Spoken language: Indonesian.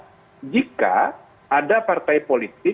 pemilu yang terkasih adalah penggunaan kekuatan